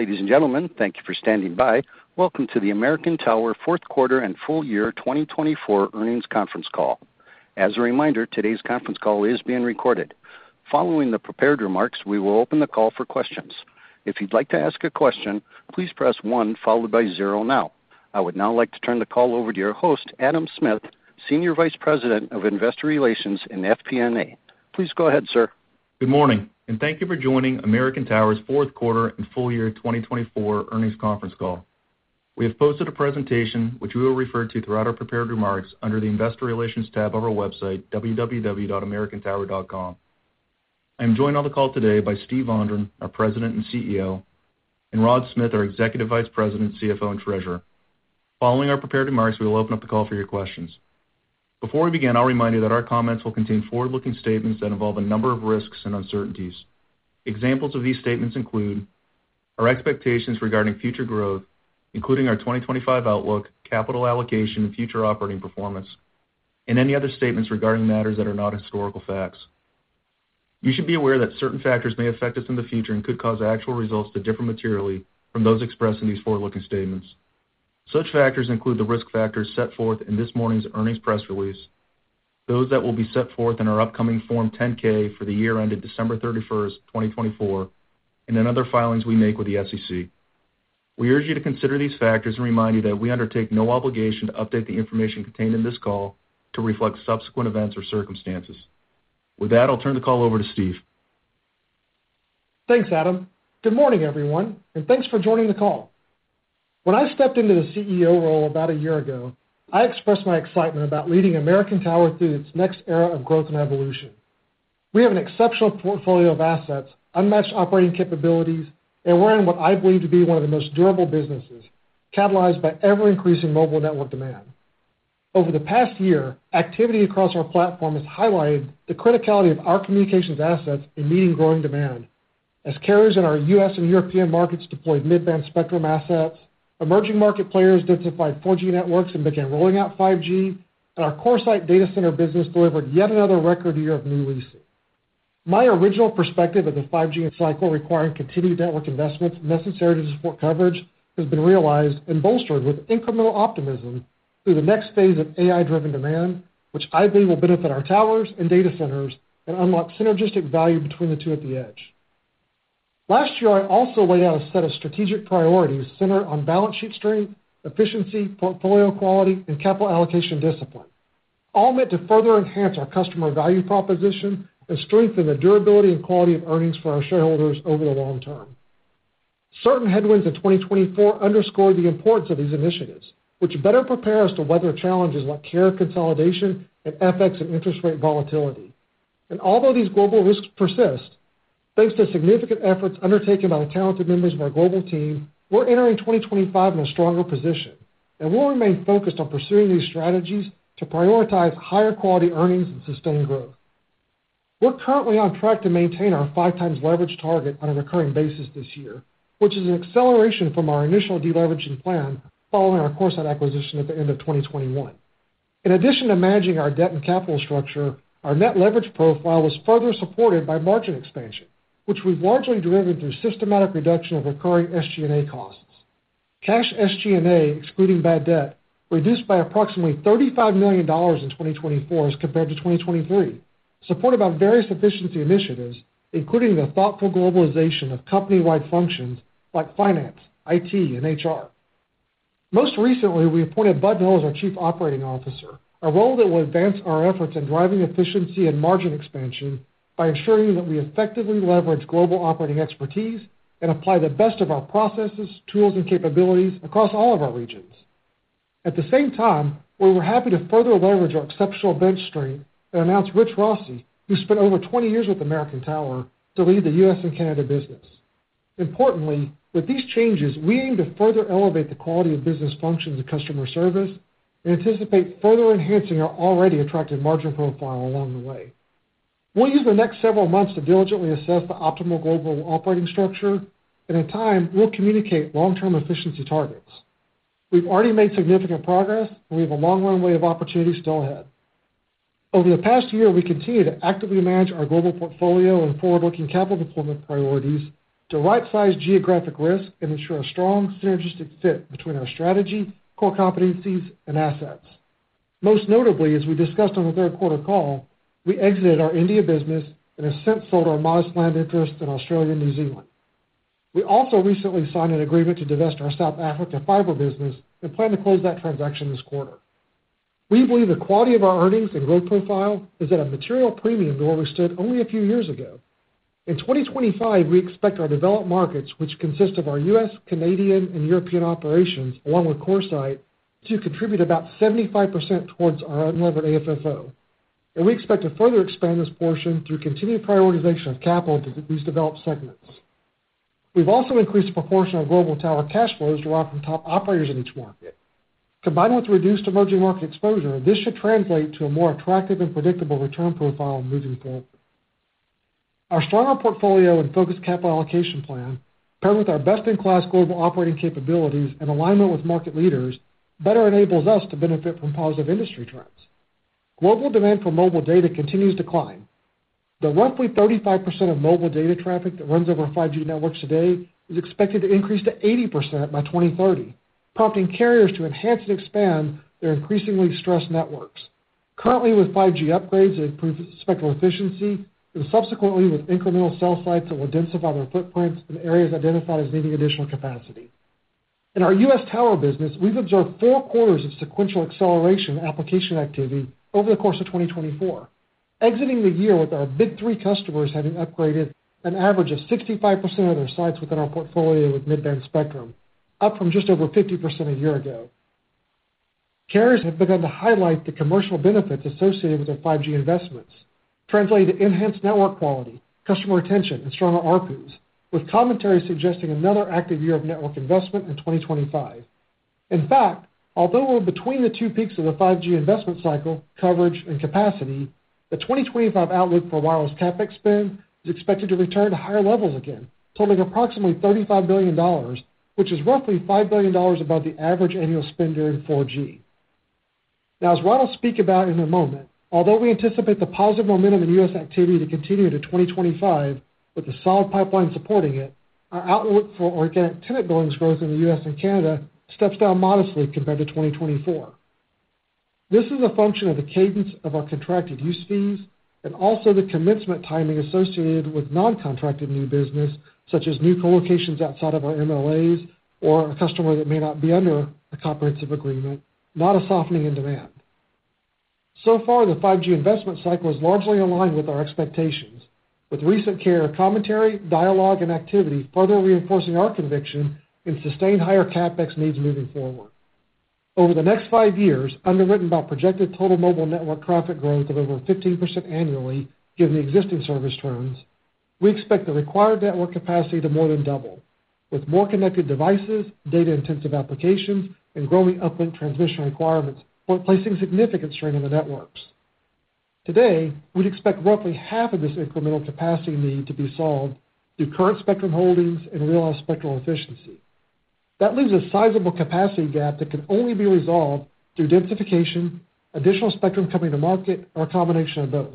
Ladies and gentlemen, thank you for standing by. Welcome to the American Tower fourth quarter and full year 2024 earnings conference call. As a reminder, today's conference call is being recorded. Following the prepared remarks, we will open the call for questions. If you'd like to ask a question, please press one followed by zero now. I would now like to turn the call over to your host, Adam Smith, Senior Vice President of Investor Relations and FP&A. Please go ahead, sir. Good morning, and thank you for joining American Tower's fourth quarter and full year 2024 earnings conference call. We have posted a presentation, which we will refer to throughout our prepared remarks, under the Investor Relations tab of our website, www.americantower.com. I am joined on the call today by Steve Vondran, our President and CEO, and Rod Smith, our Executive Vice President, CFO, and Treasurer. Following our prepared remarks, we will open up the call for your questions. Before we begin, I'll remind you that our comments will contain forward-looking statements that involve a number of risks and uncertainties. Examples of these statements include our expectations regarding future growth, including our 2025 outlook, capital allocation, and future operating performance, and any other statements regarding matters that are not historical facts. You should be aware that certain factors may affect us in the future and could cause actual results to differ materially from those expressed in these forward-looking statements. Such factors include the risk factors set forth in this morning's earnings press release, those that will be set forth in our upcoming Form 10-K for the year ended December 31st, 2024, and in other filings we make with the SEC. We urge you to consider these factors and remind you that we undertake no obligation to update the information contained in this call to reflect subsequent events or circumstances. With that, I'll turn the call over to Steve. Thanks, Adam. Good morning, everyone, and thanks for joining the call. When I stepped into the CEO role about a year ago, I expressed my excitement about leading American Tower through its next era of growth and evolution. We have an exceptional portfolio of assets, unmatched operating capabilities, and we're in what I believe to be one of the most durable businesses, catalyzed by ever-increasing mobile network demand. Over the past year, activity across our platform has highlighted the criticality of our communications assets in meeting growing demand, as carriers in our U.S. and European markets deployed mid-band spectrum assets, emerging market players densified 4G networks and began rolling out 5G, and our CoreSite data center business delivered yet another record year of new leasing. My original perspective of the 5G cycle requiring continued network investments necessary to support coverage has been realized and bolstered with incremental optimism through the next phase of AI-driven demand, which I believe will benefit our towers and data centers and unlock synergistic value between the two at the edge. Last year, I also laid out a set of strategic priorities centered on balance sheet strength, efficiency, portfolio quality, and capital allocation discipline, all meant to further enhance our customer value proposition and strengthen the durability and quality of earnings for our shareholders over the long term. Certain headwinds in 2024 underscored the importance of these initiatives, which better prepare us to weather challenges like carrier consolidation and FX and interest rate volatility. Although these global risks persist, thanks to significant efforts undertaken by the talented members of our global team, we're entering 2025 in a stronger position and will remain focused on pursuing these strategies to prioritize higher quality earnings and sustained growth. We're currently on track to maintain our 5x leverage target on a recurring basis this year, which is an acceleration from our initial deleveraging plan following our CoreSite acquisition at the end of 2021. In addition to managing our debt and capital structure, our net leverage profile was further supported by margin expansion, which we've largely driven through systematic reduction of recurring SG&A costs. Cash SG&A, excluding bad debt, reduced by approximately $35 million in 2024 as compared to 2023, supported by various efficiency initiatives, including the thoughtful globalization of company-wide functions like finance, IT, and HR. Most recently, we appointed Bud Milne as our Chief Operating Officer, a role that will advance our efforts in driving efficiency and margin expansion by ensuring that we effectively leverage global operating expertise and apply the best of our processes, tools, and capabilities across all of our regions. At the same time, we were happy to further leverage our exceptional bench strength and announce Rich Rossi, who spent over 20 years with American Tower to lead the U.S. and Canada business. Importantly, with these changes, we aim to further elevate the quality of business functions and customer service and anticipate further enhancing our already attractive margin profile along the way. We'll use the next several months to diligently assess the optimal global operating structure, and in time, we'll communicate long-term efficiency targets. We've already made significant progress, and we have a long runway of opportunity still ahead. Over the past year, we continue to actively manage our global portfolio and forward-looking capital deployment priorities to right-size geographic risk and ensure a strong synergistic fit between our strategy, core competencies, and assets. Most notably, as we discussed on the third quarter call, we exited our India business and have since sold our modest land interests in Australia and New Zealand. We also recently signed an agreement to divest our South Africa fiber business and plan to close that transaction this quarter. We believe the quality of our earnings and growth profile is at a material premium to where we stood only a few years ago. In 2025, we expect our developed markets, which consist of our U.S., Canadian, and European operations, along with CoreSite, to contribute about 75% towards our unlevered AFFO. And we expect to further expand this portion through continued prioritization of capital into these developed segments. We've also increased the proportion of global tower cash flows derived from top operators in each market. Combined with reduced emerging market exposure, this should translate to a more attractive and predictable return profile moving forward. Our stronger portfolio and focused capital allocation plan, paired with our best-in-class global operating capabilities and alignment with market leaders, better enables us to benefit from positive industry trends. Global demand for mobile data continues to climb. The roughly 35% of mobile data traffic that runs over 5G networks today is expected to increase to 80% by 2030, prompting carriers to enhance and expand their increasingly stressed networks. Currently, with 5G upgrades, it improves spectral efficiency, and subsequently, with incremental cell sites, it will densify their footprints in areas identified as needing additional capacity. In our U.S. tower business, we've observed four quarters of sequential acceleration application activity over the course of 2024, exiting the year with our big three customers having upgraded an average of 65% of their sites within our portfolio with mid-band spectrum, up from just over 50% a year ago. Carriers have begun to highlight the commercial benefits associated with their 5G investments, translated to enhanced network quality, customer retention, and stronger RPUs, with commentary suggesting another active year of network investment in 2025. In fact, although we're between the two peaks of the 5G investment cycle, coverage, and capacity, the 2025 outlook for wireless CapEx spend is expected to return to higher levels again, totaling approximately $35 billion, which is roughly $5 billion above the average annual spend during 4G. Now, as Rod will speak about in a moment, although we anticipate the positive momentum in U.S. activity to continue into 2025, with a solid pipeline supporting it, our outlook for organic tenant billings growth in the U.S. and Canada steps down modestly compared to 2024. This is a function of the cadence of our contracted use fees and also the commencement timing associated with non-contracted new business, such as new colocations outside of our MLAs or a customer that may not be under a comprehensive agreement, not a softening in demand. So far, the 5G investment cycle is largely aligned with our expectations, with recent carrier commentary, dialogue, and activity further reinforcing our conviction in sustained higher CapEx needs moving forward. Over the next five years, underwritten by projected total mobile network traffic growth of over 15% annually, given the existing service trends, we expect the required network capacity to more than double, with more connected devices, data-intensive applications, and growing uplink transmission requirements placing significant strain on the networks. Today, we'd expect roughly half of this incremental capacity need to be solved through current spectrum holdings and realized spectral efficiency. That leaves a sizable capacity gap that can only be resolved through densification, additional spectrum coming to market, or a combination of both.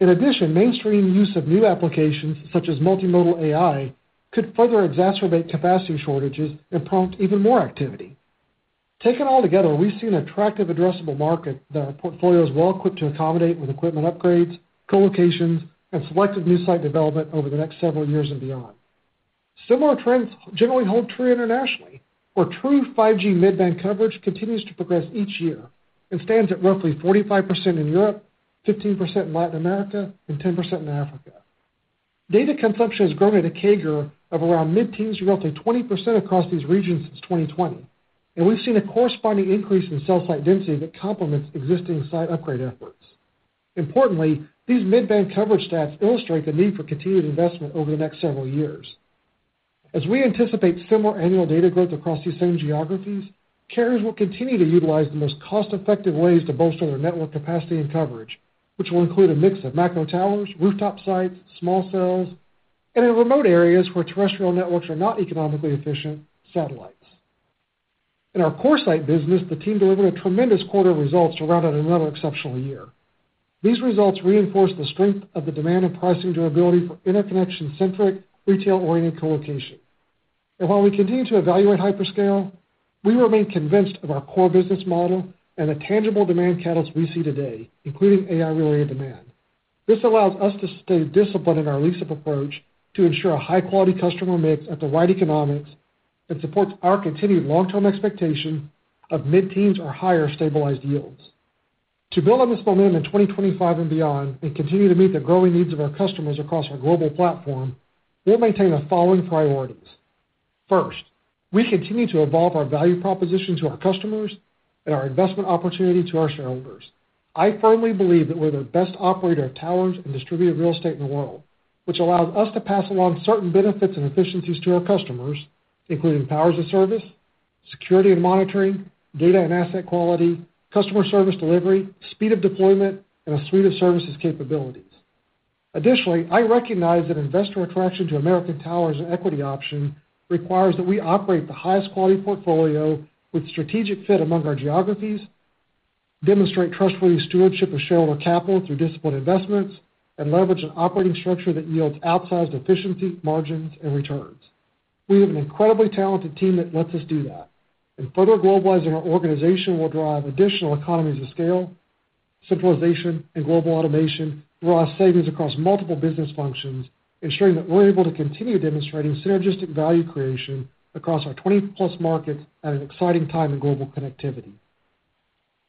In addition, mainstream use of new applications, such as multimodal AI, could further exacerbate capacity shortages and prompt even more activity. Taken all together, we see an attractive, addressable market that our portfolio is well equipped to accommodate with equipment upgrades, colocations, and selective new site development over the next several years and beyond. Similar trends generally hold true internationally, where true 5G mid-band coverage continues to progress each year and stands at roughly 45% in Europe, 15% in Latin America, and 10% in Africa. Data consumption has grown at a CAGR of around mid-teens to roughly 20% across these regions since 2020, and we've seen a corresponding increase in cell site density that complements existing site upgrade efforts. Importantly, these mid-band coverage stats illustrate the need for continued investment over the next several years. As we anticipate similar annual data growth across these same geographies, carriers will continue to utilize the most cost-effective ways to bolster their network capacity and coverage, which will include a mix of macro towers, rooftop sites, small cells, and in remote areas where terrestrial networks are not economically efficient, satellites. In our CoreSite business, the team delivered a tremendous quarter of results surrounding another exceptional year. These results reinforce the strength of the demand and pricing durability for interconnection-centric, retail-oriented colocation, and while we continue to evaluate hyperscale, we remain convinced of our core business model and the tangible demand catalysts we see today, including AI-related demand. This allows us to stay disciplined in our lease-up approach to ensure a high-quality customer mix at the right economics and supports our continued long-term expectation of mid-teens or higher stabilized yields. To build on this momentum in 2025 and beyond and continue to meet the growing needs of our customers across our global platform, we'll maintain the following priorities. First, we continue to evolve our value proposition to our customers and our investment opportunity to our shareholders. I firmly believe that we're the best operator of towers and distributed real estate in the world, which allows us to pass along certain benefits and efficiencies to our customers, including Power as a Service, security and monitoring, data and asset quality, customer service delivery, speed of deployment, and a suite of services capabilities. Additionally, I recognize that investor attraction to American Tower's equity option requires that we operate the highest quality portfolio with strategic fit among our geographies, demonstrate trustworthy stewardship of shareholder capital through disciplined investments, and leverage an operating structure that yields outsized efficiency, margins, and returns. We have an incredibly talented team that lets us do that. And further globalizing our organization will drive additional economies of scale, centralization, and global automation, drawing savings across multiple business functions, ensuring that we're able to continue demonstrating synergistic value creation across our 20+ markets at an exciting time in global connectivity.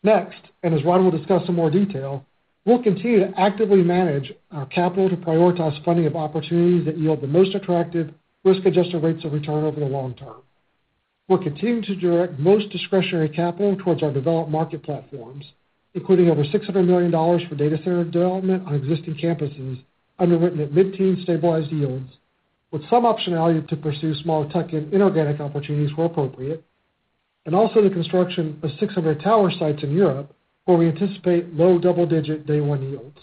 Next, and as Rod will discuss in more detail, we'll continue to actively manage our capital to prioritize funding of opportunities that yield the most attractive risk-adjusted rates of return over the long term. We're continuing to direct most discretionary capital towards our developed market platforms, including over $600 million for data center development on existing campuses, underwritten at mid-teens stabilized yields, with some optionality to pursue small tuck-in inorganic opportunities where appropriate, and also the construction of 600 tower sites in Europe, where we anticipate low double-digit day-one yields.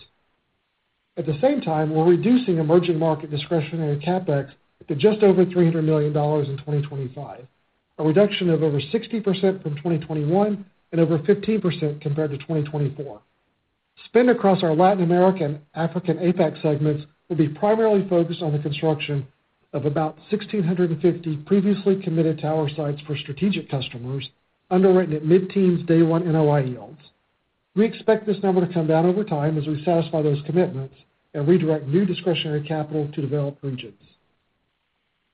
At the same time, we're reducing emerging market discretionary CapEx to just over $300 million in 2025, a reduction of over 60% from 2021 and over 15% compared to 2024. Spend across our Latin American and Africa and APAC segments will be primarily focused on the construction of about 1,650 previously committed tower sites for strategic customers, underwritten at mid-teens day-one NOI yields. We expect this number to come down over time as we satisfy those commitments and redirect new discretionary capital to developed regions.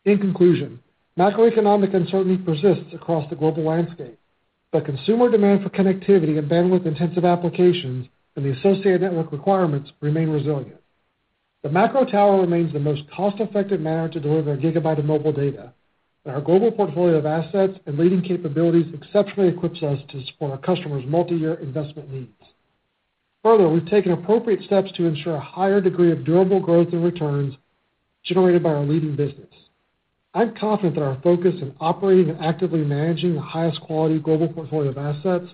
In conclusion, macroeconomic uncertainty persists across the global landscape, but consumer demand for connectivity and bandwidth-intensive applications and the associated network requirements remain resilient. The macro tower remains the most cost-effective manner to deliver a gigabyte of mobile data, and our global portfolio of assets and leading capabilities exceptionally equips us to support our customers' multi-year investment needs. Further, we've taken appropriate steps to ensure a higher degree of durable growth and returns generated by our leading business. I'm confident that our focus in operating and actively managing the highest quality global portfolio of assets,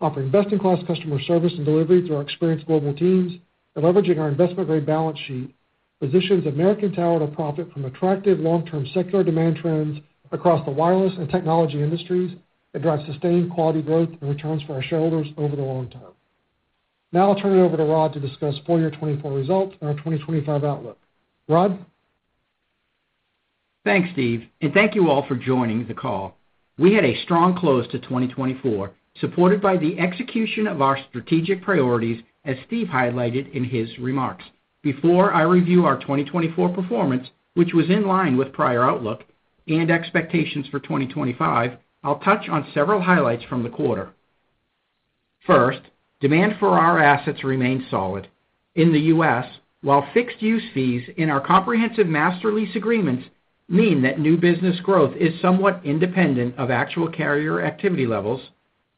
offering best-in-class customer service and delivery through our experienced global teams, and leveraging our investment-grade balance sheet positions American Tower to profit from attractive long-term secular demand trends across the wireless and technology industries and drive sustained quality growth and returns for our shareholders over the long term. Now I'll turn it over to Rod to discuss full year 2024 results and our 2025 outlook. Rod? Thanks, Steve, and thank you all for joining the call. We had a strong close to 2024, supported by the execution of our strategic priorities, as Steve highlighted in his remarks. Before I review our 2024 performance, which was in line with prior outlook and expectations for 2025, I'll touch on several highlights from the quarter. First, demand for our assets remained solid. In the U.S., while fixed use fees in our comprehensive master lease agreements mean that new business growth is somewhat independent of actual carrier activity levels,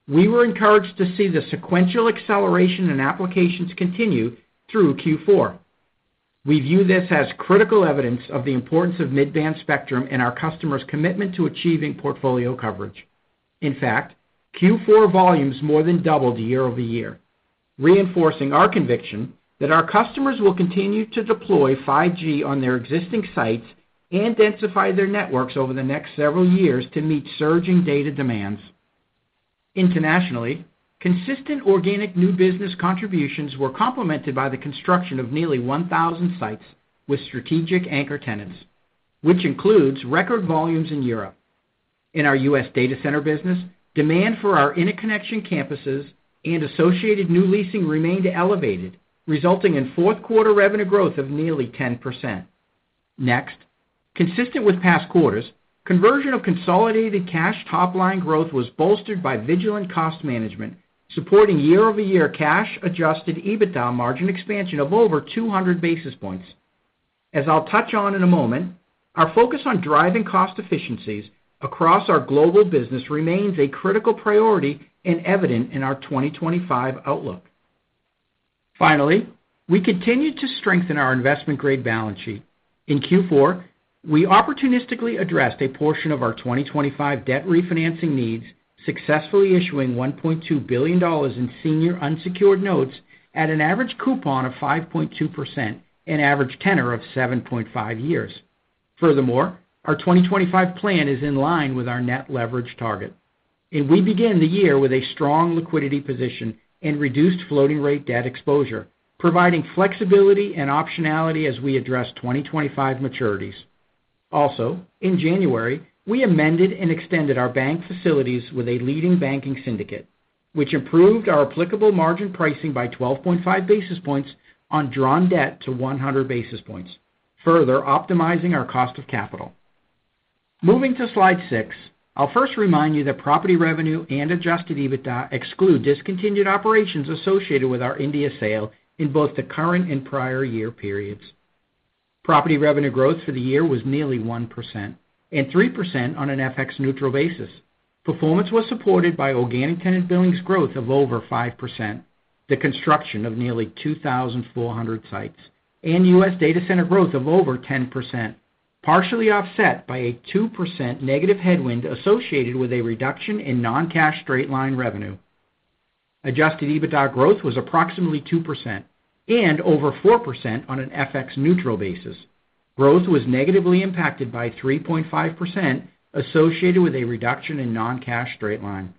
we were encouraged to see the sequential acceleration in applications continue through Q4. We view this as critical evidence of the importance of mid-band spectrum and our customers' commitment to achieving portfolio coverage. In fact, Q4 volumes more than doubled year over year, reinforcing our conviction that our customers will continue to deploy 5G on their existing sites and densify their networks over the next several years to meet surging data demands. Internationally, consistent organic new business contributions were complemented by the construction of nearly 1,000 sites with strategic anchor tenants, which includes record volumes in Europe. In our U.S. data center business, demand for our interconnection campuses and associated new leasing remained elevated, resulting in fourth-quarter revenue growth of nearly 10%. Next, consistent with past quarters, conversion of consolidated cash top-line growth was bolstered by vigilant cost management, supporting year-over-year cash-adjusted EBITDA margin expansion of over 200 basis points. As I'll touch on in a moment, our focus on driving cost efficiencies across our global business remains a critical priority and evident in our 2025 outlook. Finally, we continued to strengthen our investment-grade balance sheet. In Q4, we opportunistically addressed a portion of our 2025 debt refinancing needs, successfully issuing $1.2 billion in senior unsecured notes at an average coupon of 5.2% and average tenor of 7.5 years. Furthermore, our 2025 plan is in line with our net leverage target, and we begin the year with a strong liquidity position and reduced floating-rate debt exposure, providing flexibility and optionality as we address 2025 maturities. Also, in January, we amended and extended our bank facilities with a leading banking syndicate, which improved our applicable margin pricing by 12.5 basis points on drawn debt to 100 basis points, further optimizing our cost of capital. Moving to slide six, I'll first remind you that property revenue and Adjusted EBITDA exclude discontinued operations associated with our India sale in both the current and prior year periods. Property revenue growth for the year was nearly 1% and 3% on an FX-neutral basis. Performance was supported by organic tenant billings growth of over 5%, the construction of nearly 2,400 sites. And U.S. Data center growth of over 10%, partially offset by a 2% negative headwind associated with a reduction in non-cash straight-line revenue. Adjusted EBITDA growth was approximately 2% and over 4% on an FX-neutral basis. Growth was negatively impacted by 3.5% associated with a reduction in non-cash straight-line.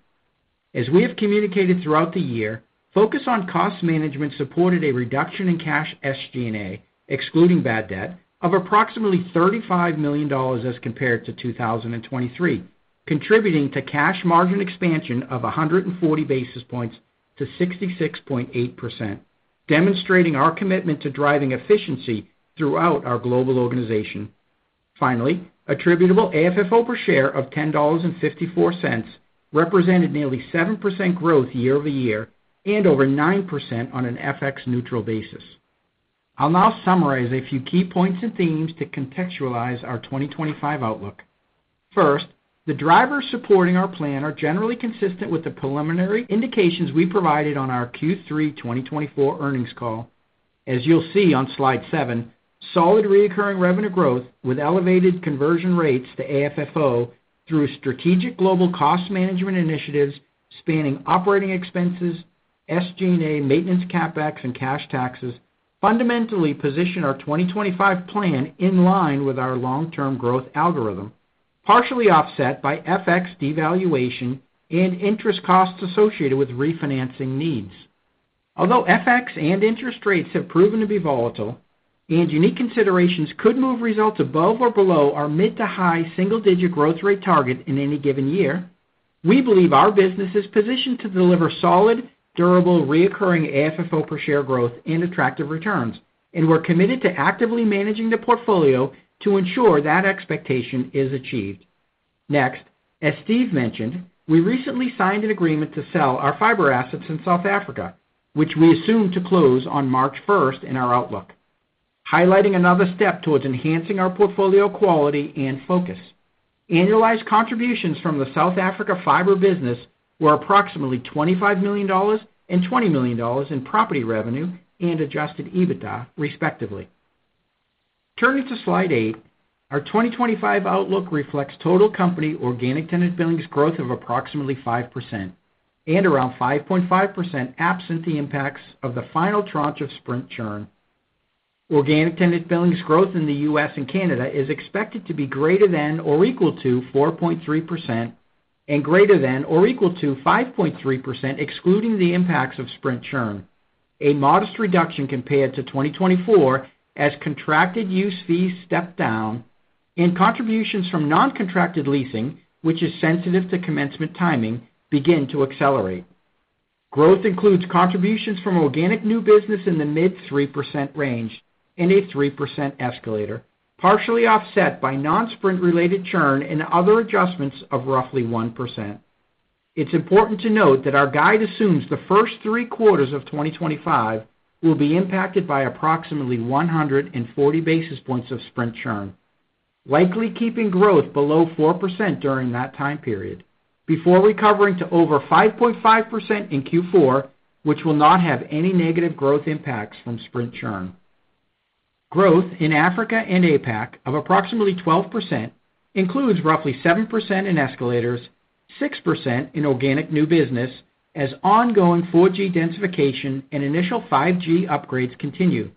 As we have communicated throughout the year, focus on cost management supported a reduction in cash SG&A, excluding bad debt, of approximately $35 million as compared to 2023, contributing to cash margin expansion of 140 basis points to 66.8%, demonstrating our commitment to driving efficiency throughout our global organization. Finally, attributable AFFO per share of $10.54 represented nearly 7% growth year-over-year and over 9% on an FX-neutral basis. I'll now summarize a few key points and themes to contextualize our 2025 outlook. First, the drivers supporting our plan are generally consistent with the preliminary indications we provided on our Q3 2024 earnings call as you'll see on Slide 7, solid recurring revenue growth with elevated conversion rates to AFFO through strategic global cost management initiatives spanning operating expenses, SG&A, maintenance CapEx, and cash taxes fundamentally position our 2025 plan in line with our long-term growth algorithm, partially offset by FX devaluation and interest costs associated with refinancing needs. Although FX and interest rates have proven to be volatile and unique considerations could move results above or below our mid-to-high single-digit growth rate target in any given year, we believe our business is positioned to deliver solid, durable, recurring AFFO per share growth and attractive returns, and we're committed to actively managing the portfolio to ensure that expectation is achieved. Next, as Steve mentioned, we recently signed an agreement to sell our fiber assets in South Africa, which we assume to close on March 1st in our outlook, highlighting another step towards enhancing our portfolio quality and focus. Annualized contributions from the South Africa fiber business were approximately $25 million and $20 million in property revenue and Adjusted EBITDA, respectively. Turning to Slide 8, our 2025 outlook reflects total company organic tenant billings growth of approximately 5% and around 5.5% absent the impacts of the final tranche of Sprint churn. Organic tenant billings growth in the U.S. and Canada is expected to be greater than or equal to 4.3% and greater than or equal to 5.3%, excluding the impacts of Sprint churn. A modest reduction compared to 2024 as contracted use fees step down and contributions from non-contracted leasing, which is sensitive to commencement timing, begin to accelerate. Growth includes contributions from organic new business in the mid-3% range and a 3% escalator, partially offset by non-Sprint-related churn and other adjustments of roughly 1%. It's important to note that our guide assumes the first three quarters of 2025 will be impacted by approximately 140 basis points of Sprint churn, likely keeping growth below 4% during that time period before recovering to over 5.5% in Q4, which will not have any negative growth impacts from Sprint churn. Growth in Africa and APAC of approximately 12% includes roughly 7% in escalators, 6% in organic new business as ongoing 4G densification and initial 5G upgrades continue,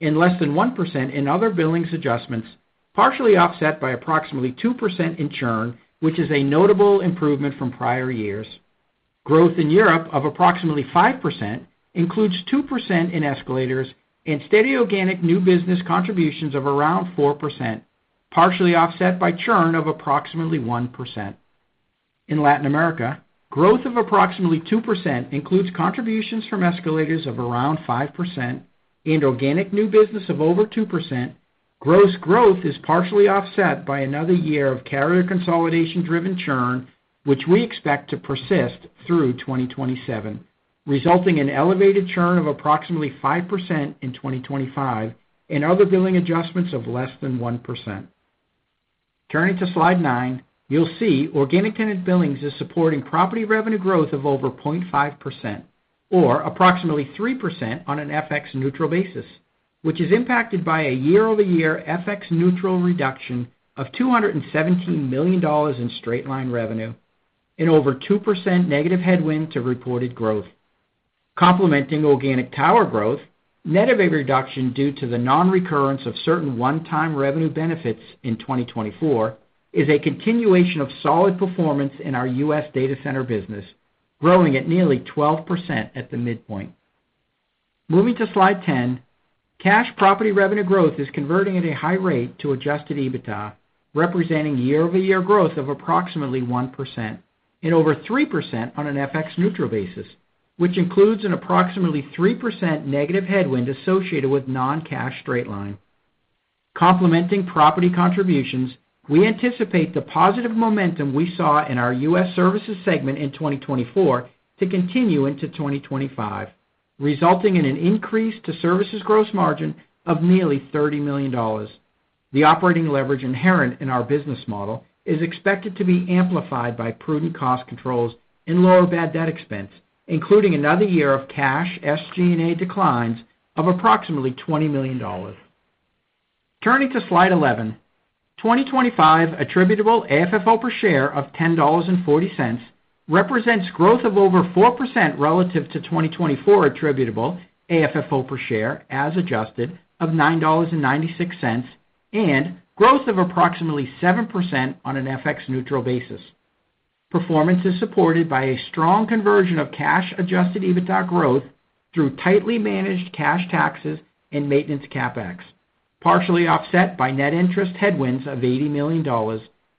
and less than 1% in other billings adjustments, partially offset by approximately 2% in churn, which is a notable improvement from prior years. Growth in Europe of approximately 5% includes 2% in escalators and steady organic new business contributions of around 4%, partially offset by churn of approximately 1%. In Latin America, growth of approximately 2% includes contributions from escalators of around 5% and organic new business of over 2%. Gross growth is partially offset by another year of carrier consolidation-driven churn, which we expect to persist through 2027, resulting in elevated churn of approximately 5% in 2025 and other billing adjustments of less than 1%. Turning to Slide 9, you'll see organic tenant billings is supporting property revenue growth of over 0.5% or approximately 3% on an FX-neutral basis, which is impacted by a year-over-year FX-neutral reduction of $217 million in straight-line revenue and over 2% negative headwind to reported growth. Complementing organic tower growth, net of a reduction due to the non-recurrence of certain one-time revenue benefits in 2024, is a continuation of solid performance in our U.S. data center business, growing at nearly 12% at the midpoint. Moving to Slide 10, cash property revenue growth is converting at a high rate to Adjusted EBITDA, representing year-over-year growth of approximately 1% and over 3% on an FX-neutral basis, which includes an approximately 3% negative headwind associated with non-cash straight-line. Complementing property contributions, we anticipate the positive momentum we saw in our U.S. services segment in 2024 to continue into 2025, resulting in an increase to services gross margin of nearly $30 million. The operating leverage inherent in our business model is expected to be amplified by prudent cost controls and lower bad debt expense, including another year of cash SG&A declines of approximately $20 million. Turning to slide 11, 2025 attributable AFFO per share of $10.40 represents growth of over 4% relative to 2024 attributable AFFO per share as adjusted of $9.96 and growth of approximately 7% on an FX-neutral basis. Performance is supported by a strong conversion of cash adjusted EBITDA growth through tightly managed cash taxes and maintenance CapEx, partially offset by net interest headwinds of $80 million,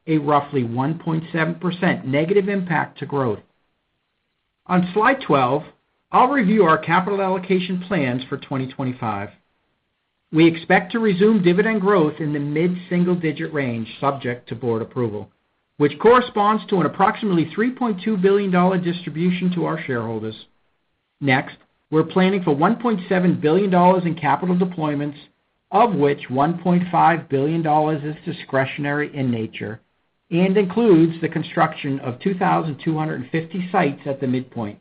a roughly 1.7% negative impact to growth. On slide 12, I'll review our capital allocation plans for 2025. We expect to resume dividend growth in the mid-single-digit range subject to board approval, which corresponds to an approximately $3.2 billion distribution to our shareholders. Next, we're planning for $1.7 billion in capital deployments, of which $1.5 billion is discretionary in nature and includes the construction of 2,250 sites at the midpoint.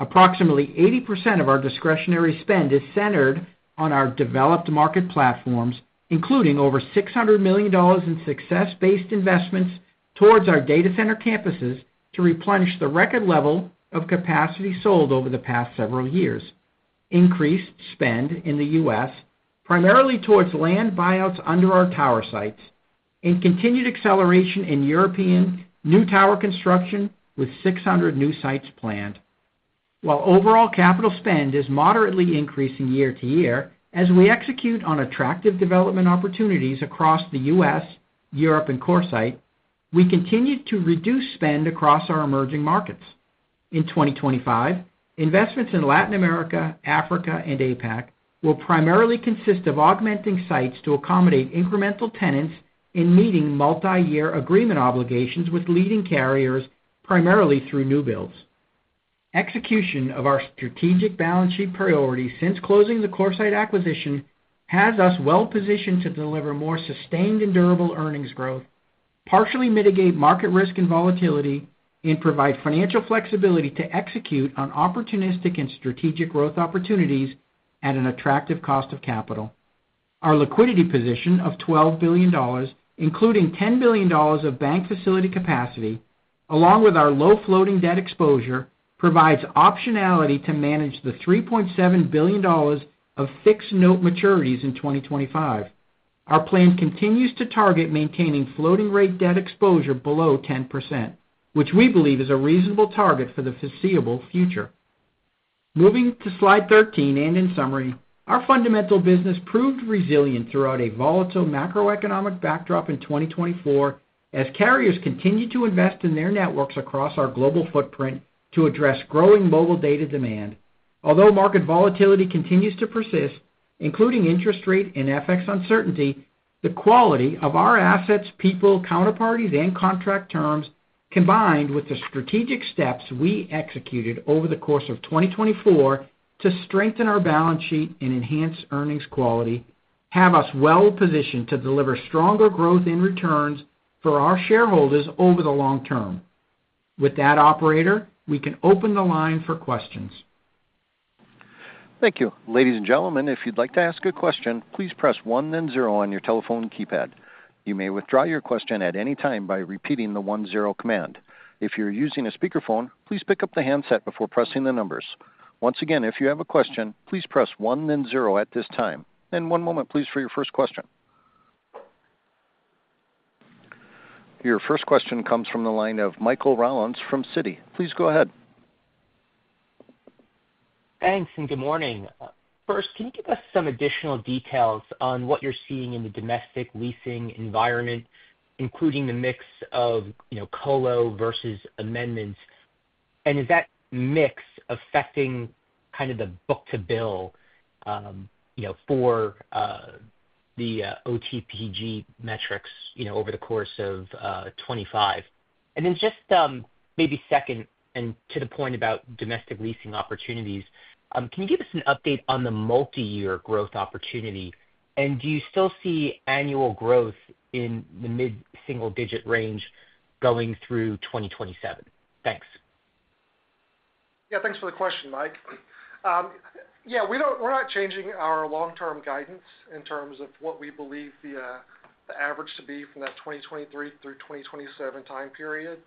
Approximately 80% of our discretionary spend is centered on our developed market platforms, including over $600 million in success-based investments towards our data center campuses to replenish the record level of capacity sold over the past several years. Increased spend in the U.S., primarily towards land buyouts under our tower sites, and continued acceleration in European new tower construction with 600 new sites planned. While overall capital spend is moderately increasing year-to-year as we execute on attractive development opportunities across the U.S., Europe, and CoreSite, we continue to reduce spend across our emerging markets. In 2025, investments in Latin America, Africa, and APAC will primarily consist of augmenting sites to accommodate incremental tenants in meeting multi-year agreement obligations with leading carriers, primarily through new builds. Execution of our strategic balance sheet priorities since closing the CoreSite acquisition has us well-positioned to deliver more sustained and durable earnings growth, partially mitigate market risk and volatility, and provide financial flexibility to execute on opportunistic and strategic growth opportunities at an attractive cost of capital. Our liquidity position of $12 billion, including $10 billion of bank facility capacity, along with our low floating debt exposure, provides optionality to manage the $3.7 billion of fixed note maturities in 2025. Our plan continues to target maintaining floating rate debt exposure below 10%, which we believe is a reasonable target for the foreseeable future. Moving to Slide 13 and in summary, our fundamental business proved resilient throughout a volatile macroeconomic backdrop in 2024 as carriers continued to invest in their networks across our global footprint to address growing mobile data demand. Although market volatility continues to persist, including interest rate and FX uncertainty, the quality of our assets, people, counterparties, and contract terms, combined with the strategic steps we executed over the course of 2024 to strengthen our balance sheet and enhance earnings quality, have us well-positioned to deliver stronger growth and returns for our shareholders over the long term. With that, operator, we can open the line for questions. Thank you. Ladies and gentlemen, if you'd like to ask a question, please press one, then zero on your telephone keypad. You may withdraw your question at any time by repeating the one, zero command. If you're using a speakerphone, please pick up the handset before pressing the numbers. Once again, if you have a question, please press one, then zero at this time, and one moment, please, for your first question. Your first question comes from the line of Michael Rollins, from Citi. Please go ahead. Thanks and good morning. First, can you give us some additional details on what you're seeing in the domestic leasing environment, including the mix of colo versus amendments? And is that mix affecting kind of the book-to-bill for the OTPG metrics over the course of 2025? And then just maybe second, and to the point about domestic leasing opportunities, can you give us an update on the multi-year growth opportunity? And do you still see annual growth in the mid-single-digit range going through 2027? Thanks. Yeah, thanks for the question, Mike. Yeah, we're not changing our long-term guidance in terms of what we believe the average to be from that 2023 through 2027 time period.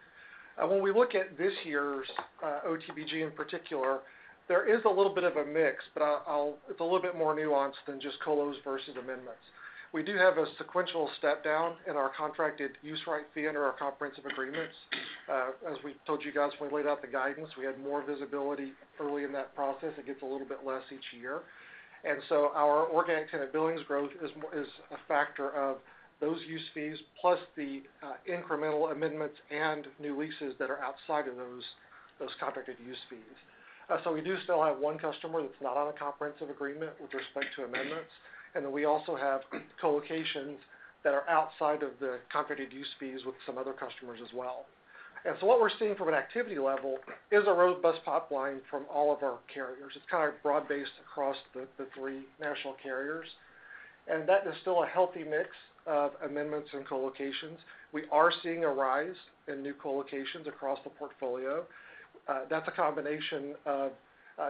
When we look at this year's OTPG in particular, there is a little bit of a mix, but it's a little bit more nuanced than just colos versus amendments. We do have a sequential step down in our contracted use right fee under our comprehensive agreements. As we told you guys when we laid out the guidance, we had more visibility early in that process. It gets a little bit less each year. And so our organic tenant billings growth is a factor of those use fees plus the incremental amendments and new leases that are outside of those contracted use fees. So we do still have one customer that's not on a comprehensive agreement with respect to amendments. And then we also have colocations that are outside of the contracted use fees with some other customers as well. And so what we're seeing from an activity level is a robust pipeline from all of our carriers. It's kind of broad-based across the three national carriers. And that is still a healthy mix of amendments and colocations. We are seeing a rise in new colocations across the portfolio. That's a combination of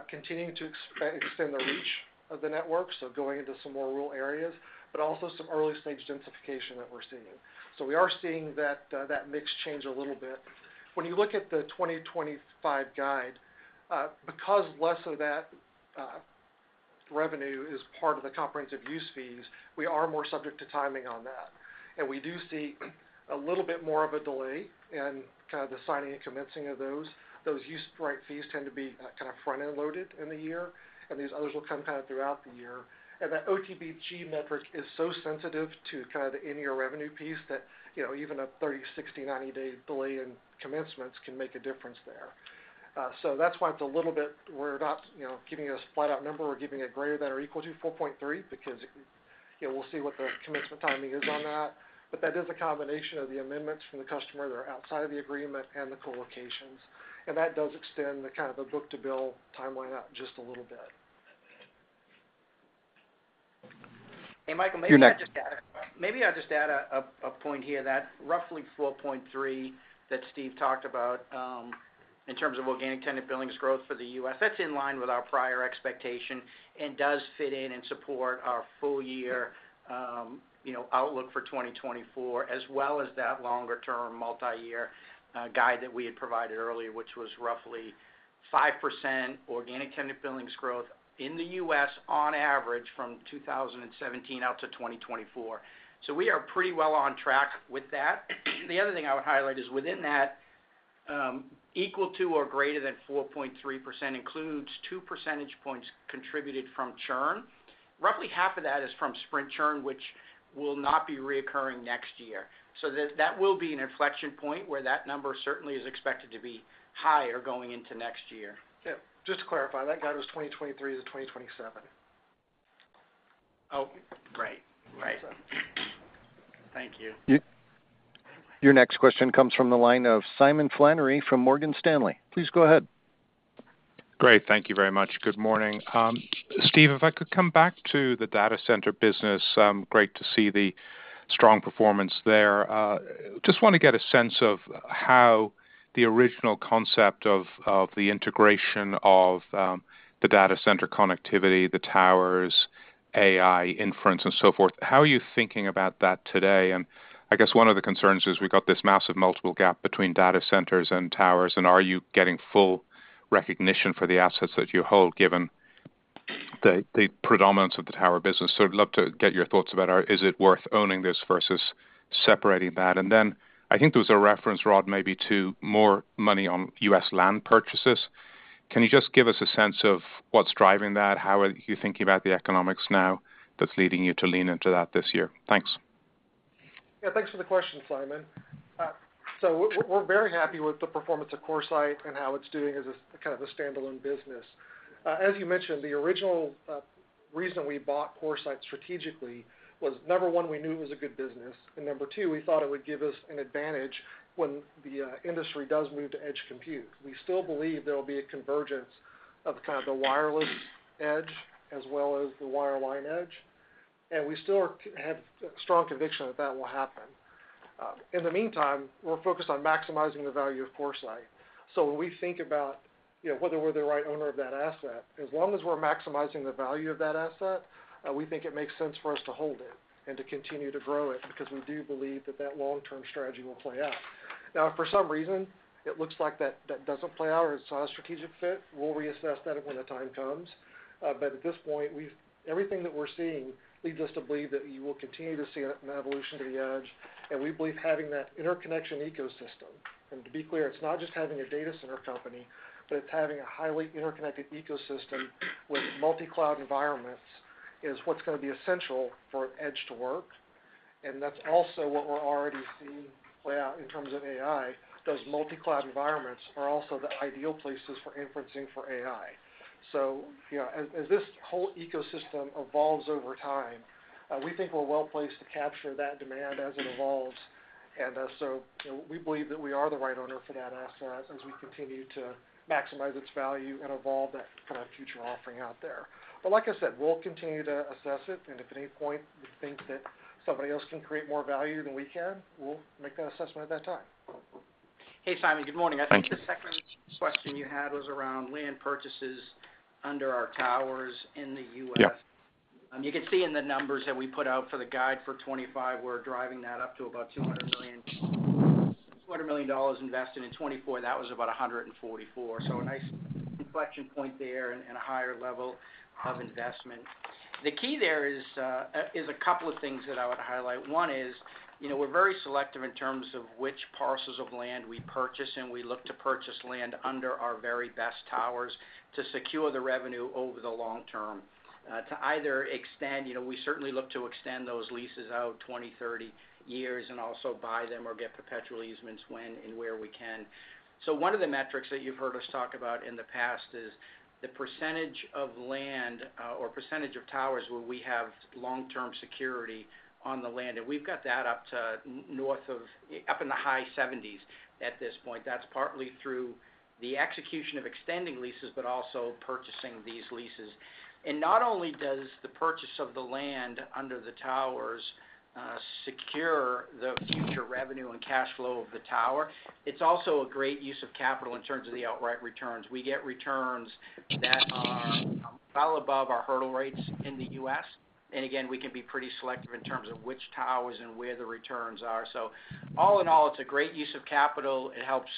continuing to extend the reach of the network, so going into some more rural areas, but also some early-stage densification that we're seeing. So we are seeing that mix change a little bit. When you look at the 2025 guide, because less of that revenue is part of the comprehensive use fees, we are more subject to timing on that. And we do see a little bit more of a delay in kind of the signing and commencing of those. Those use right fees tend to be kind of front-end loaded in the year, and these others will come kind of throughout the year. And that OTPG metric is so sensitive to kind of the in-year revenue piece that even a 30, 60, 90-day delay in commencements can make a difference there. So that's why it's a little bit we're not giving you a flat-out number. We're giving it greater than or equal to 4.3 because we'll see what the commencement timing is on that. But that is a combination of the amendments from the customer that are outside of the agreement and the colocations. And that does extend the kind of the book to bill timeline out just a little bit. Hey, Michael, maybe I'll just add a point here that roughly 4.3 that Steve talked about in terms of organic tenant billings growth for the U.S. That's in line with our prior expectation and does fit in and support our full-year outlook for 2024, as well as that longer-term multi-year guide that we had provided earlier, which was roughly 5% organic tenant billings growth in the U.S. on average from 2017 out to 2024. So we are pretty well on track with that. The other thing I would highlight is within that, equal to or greater than 4.3% includes two percentage points contributed from churn. Roughly half of that is from Sprint churn, which will not be recurring next year. So that will be an inflection point where that number certainly is expected to be higher going into next year. Yeah. Just to clarify, that guide was 2023 to 2027. Oh, right. Right. Thank you. Your next question comes from the line of Simon Flannery from Morgan Stanley. Please go ahead. Great. Thank you very much. Good morning. Steve, if I could come back to the data center business, great to see the strong performance there. Just want to get a sense of how the original concept of the integration of the data center connectivity, the towers, AI, inference, and so forth. How are you thinking about that today? And I guess one of the concerns is we've got this massive multiple gap between data centers and towers, and are you getting full recognition for the assets that you hold given the predominance of the tower business? So I'd love to get your thoughts about is it worth owning this versus separating that? And then I think there was a reference, Rod, maybe to more money on U.S. land purchases. Can you just give us a sense of what's driving that? How are you thinking about the economics now that's leading you to lean into that this year? Thanks. Yeah, thanks for the question, Simon. So we're very happy with the performance of CoreSite and how it's doing as kind of a standalone business. As you mentioned, the original reason we bought CoreSite strategically was, number one, we knew it was a good business. And number two, we thought it would give us an advantage when the industry does move to edge compute. We still believe there will be a convergence of kind of the wireless edge as well as the wireline edge. And we still have strong conviction that that will happen. In the meantime, we're focused on maximizing the value of CoreSite. So when we think about whether we're the right owner of that asset, as long as we're maximizing the value of that asset, we think it makes sense for us to hold it and to continue to grow it because we do believe that that long-term strategy will play out. Now, for some reason, it looks like that doesn't play out or it's not a strategic fit. We'll reassess that when the time comes. But at this point, everything that we're seeing leads us to believe that you will continue to see an evolution to the edge. And we believe having that interconnection ecosystem, and to be clear, it's not just having a data center company, but it's having a highly interconnected ecosystem with multi-cloud environments, is what's going to be essential for edge to work. And that's also what we're already seeing play out in terms of AI. Those multi-cloud environments are also the ideal places for inferencing for AI. So as this whole ecosystem evolves over time, we think we're well placed to capture that demand as it evolves. And so we believe that we are the right owner for that asset as we continue to maximize its value and evolve that kind of future offering out there. But like I said, we'll continue to assess it. And if at any point we think that somebody else can create more value than we can, we'll make that assessment at that time. Hey, Simon, good morning. I think the second question you had was around land purchases under our towers in the U.S. Yes. You can see in the numbers that we put out for the guide for 2025, we're driving that up to about $200 million. $200 million invested in 2024, that was about $144 million. So a nice inflection point there and a higher level of investment. The key there is a couple of things that I would highlight. One is we're very selective in terms of which parcels of land we purchase, and we look to purchase land under our very best towers to secure the revenue over the long term. To either extend, we certainly look to extend those leases out 20, 30 years and also buy them or get perpetual easements when and where we can. So one of the metrics that you've heard us talk about in the past is the percentage of land or percentage of towers where we have long-term security on the land. And we've got that up to north of in the high 70s at this point. That's partly through the execution of extending leases, but also purchasing these leases. And not only does the purchase of the land under the towers secure the future revenue and cash flow of the tower, it's also a great use of capital in terms of the outright returns. We get returns that are well above our hurdle rates in the U.S. And again, we can be pretty selective in terms of which towers and where the returns are. So all in all, it's a great use of capital. It helps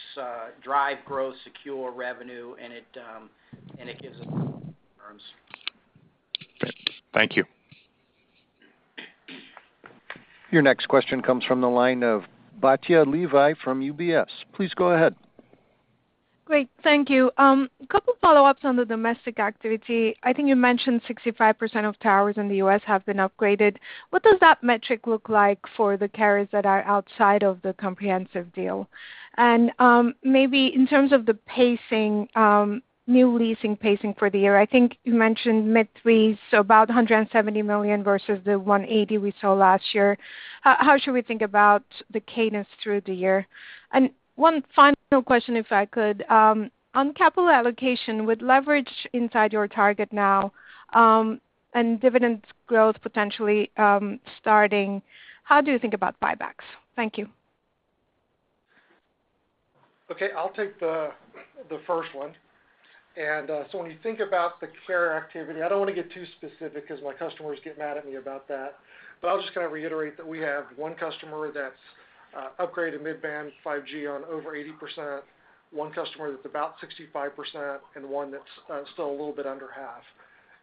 drive growth, secure revenue, and it gives us long-term returns. Thank you. Your next question comes from the line of Batya Levi from UBS. Please go ahead. Great. Thank you. A couple of follow-ups on the domestic activity. I think you mentioned 65% of towers in the U.S. have been upgraded. What does that metric look like for the carriers that are outside of the comprehensive deal? Maybe in terms of the pacing, new leasing pacing for the year, I think you mentioned mid-threes, so about $170 million versus the $180 million we saw last year. How should we think about the cadence through the year? And one final question, if I could. On capital allocation, with leverage inside your target now and dividend growth potentially starting, how do you think about buybacks? Thank you. Okay. I'll take the first one. So when you think about the capex activity, I don't want to get too specific because my customers get mad at me about that. But I'll just kind of reiterate that we have one customer that's upgraded mid-band 5G on over 80%, one customer that's about 65%, and one that's still a little bit under half.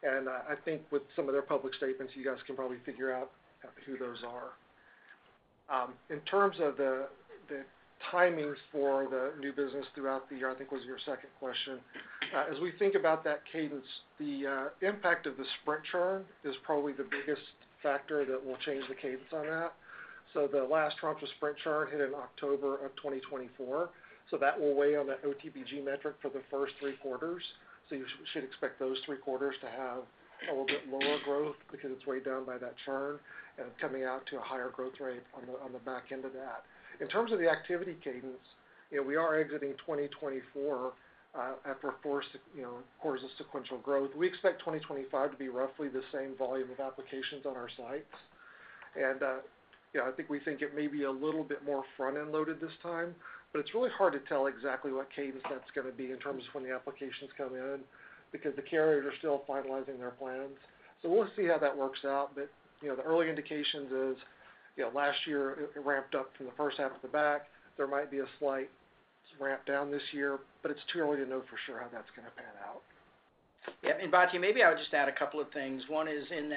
And I think with some of their public statements, you guys can probably figure out who those are. In terms of the timings for the new business throughout the year, I think was your second question. As we think about that cadence, the impact of the Sprint churn is probably the biggest factor that will change the cadence on that. So the last round for Sprint churn hit in October of 2024. So that will weigh on the OTPG metric for the first three quarters. So you should expect those three quarters to have a little bit lower growth because it's weighed down by that churn and coming out to a higher growth rate on the back end of that. In terms of the activity cadence, we are exiting 2024 after a fourth of sequential growth. We expect 2025 to be roughly the same volume of applications on our sites. I think we think it may be a little bit more front-end loaded this time, but it's really hard to tell exactly what cadence that's going to be in terms of when the applications come in because the carriers are still finalizing their plans. We'll see how that works out. The early indications is last year it ramped up from the first half to the back half. There might be a slight ramp down this year, but it's too early to know for sure how that's going to pan out. Yeah. Batya, maybe I would just add a couple of things. One is in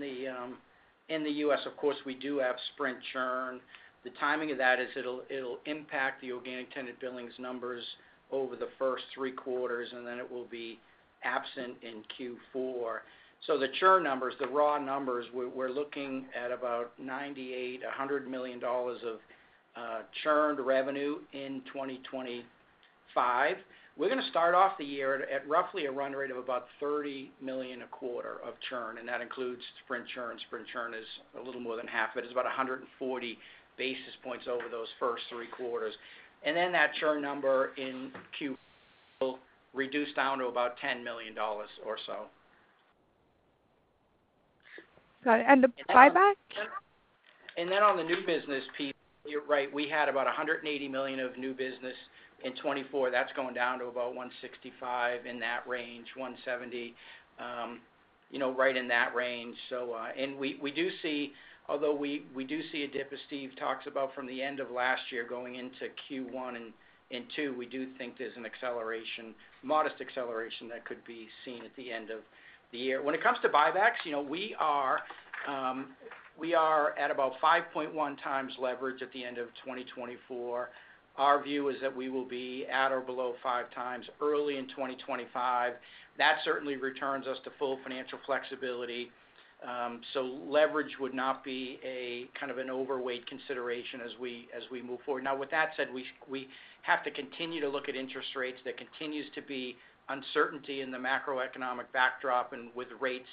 the U.S., of course, we do have Sprint churn. The timing of that is it'll impact the organic tenant billings numbers over the first three quarters, and then it will be absent in Q4. So the churn numbers, the raw numbers, we're looking at about $98 million-$100 million of churned revenue in 2025. We're going to start off the year at roughly a run rate of about $30 million a quarter of churn. And that includes Sprint churn. Sprint churn is a little more than half, but it's about 140 basis points over those first three quarters. And then that churn number in Q4 will reduce down to about $10 million or so. Got it. And the buyback? And then on the new business piece, right, we had about $180 million of new business in 2024. That's going down to about $165 million-$170 million, right in that range. And we do see, although we do see a dip as Steve talks about from the end of last year going into Q1 and Q2, we do think there's an acceleration, modest acceleration that could be seen at the end of the year. When it comes to buybacks, we are at about 5.1x leverage at the end of 2024. Our view is that we will be at or below 5x early in 2025. That certainly returns us to full financial flexibility. So leverage would not be kind of an overweight consideration as we move forward. Now, with that said, we have to continue to look at interest rates. There continues to be uncertainty in the macroeconomic backdrop and with rates,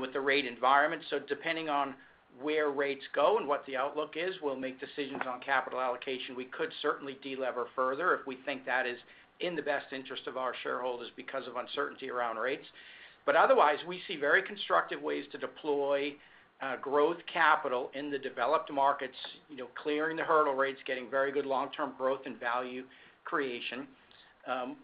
with the rate environment. So depending on where rates go and what the outlook is, we'll make decisions on capital allocation. We could certainly delever further if we think that is in the best interest of our shareholders because of uncertainty around rates. But otherwise, we see very constructive ways to deploy growth capital in the developed markets, clearing the hurdle rates, getting very good long-term growth and value creation.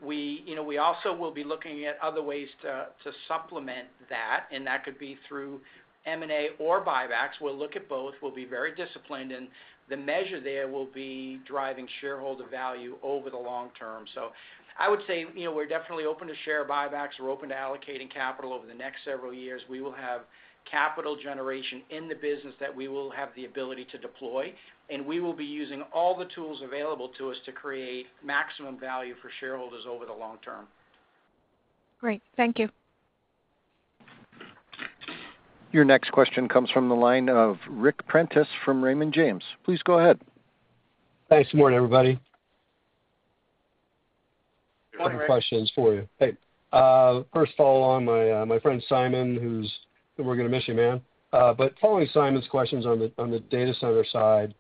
We also will be looking at other ways to supplement that, and that could be through M&A or buybacks. We'll look at both. We'll be very disciplined, and the measure there will be driving shareholder value over the long term. So I would say we're definitely open to share buybacks. We're open to allocating capital over the next several years. We will have capital generation in the business that we will have the ability to deploy. And we will be using all the tools available to us to create maximum value for shareholders over the long term. Great. Thank you. Your next question comes from the line of Ric Prentiss from Raymond James. Please go ahead. Thanks. Good morning, everybody. Questions for you. Hey. First, follow along my friend Simon, who's—we're going to miss you, man. But following Simon's questions on the data center side,